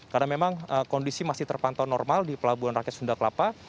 karena memang kondisi masih terpantau normal di pelabuhan rakyat sunda kelapa